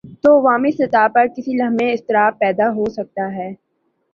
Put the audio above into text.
تو عوامی سطح پر کسی لمحے اضطراب پیدا ہو سکتا ہے۔